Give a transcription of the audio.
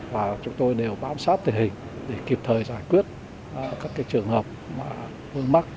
và chúng tôi đều bám sát thể hình để kịp thời giải quyết các trường hợp vương mắc